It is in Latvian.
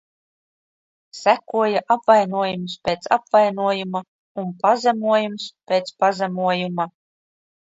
Sekoja apvainojums pēc apvainojuma un pazemojums pēc pazemojuma.